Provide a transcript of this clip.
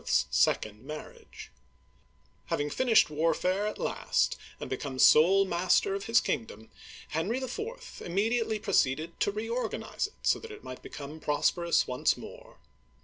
*S SECOND MARRIAGE HAVING finished warfare at last, and become sole master of his kingdom, Henry IV. immediately pro ceeded to reorganize it, so that it might become prosperous once more.